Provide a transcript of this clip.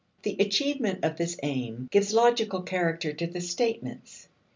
The achievement of this aim gives logical character to the statements.